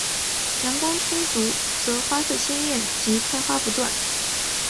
阳光充足则花色鲜艳及开花不断。